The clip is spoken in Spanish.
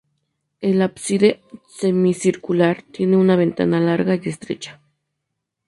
El ábside, semicircular, tiene una ventana larga y estrecha.